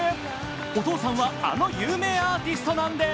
お父さんは、あの有名アーティストなんです。